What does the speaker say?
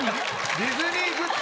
ディズニーグッズ？